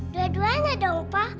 dua duanya dong pa